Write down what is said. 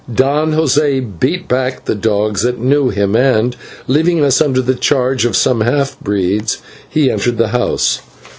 Don José beat back the dogs, that knew him, and, leaving us under the charge of some half breeds, he entered the house.